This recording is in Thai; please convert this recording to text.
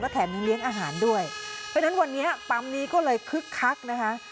แถมยังเลี้ยงอาหารด้วยเพราะฉะนั้นวันนี้ปั๊มนี้ก็เลยคึกคักนะคะ